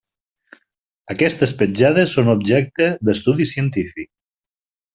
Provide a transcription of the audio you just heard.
Aquestes petjades són objecte d'estudi científic.